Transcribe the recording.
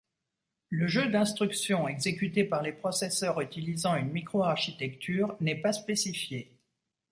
Le jeu d'instructions exécuté par les processeurs utilisant une microarchitecture n'est pas spécifié.